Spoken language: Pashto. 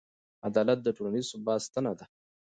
عدالت د ټولنیز ثبات ستنه ده.